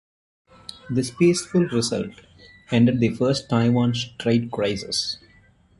This peaceful result ended the First Taiwan Strait Crisis.